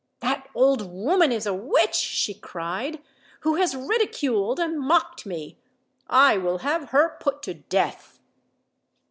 "That old woman is a witch," she cried, "who has ridiculed and mocked me. I will have her put to death."